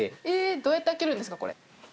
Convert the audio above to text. どうやって開けるんですかこれ。